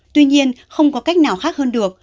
tuy nhiên không có cách nào khác hơn được